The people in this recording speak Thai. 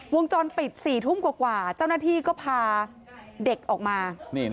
วงจรปิด๔ทุ่มกว่าเจ้าหน้าที่ก็พาเด็กออกมา